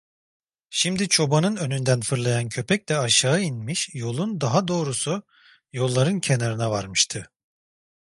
Şimdi çobanın önünden fırlayan köpek de aşağı inmiş, yolun, daha doğrusu yolların kenarına varmıştı.